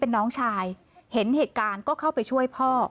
น้องชายเห็นเหตุการณ์ก็เข้าไปช่วยพ่อ